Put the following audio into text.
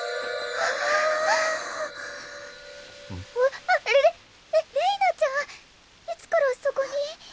あっれれれれいなちゃんいつからそこに？